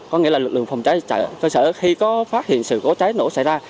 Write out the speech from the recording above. có nghĩa là lực lượng phòng cháy cơ sở khi có phát hiện sự cố cháy nổ xảy ra